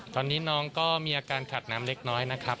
ตอนนี้น้องก็มีอาการขาดน้ำเล็กน้อยนะครับ